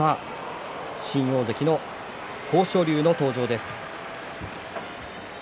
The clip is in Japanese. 新大関の豊昇龍の登場です。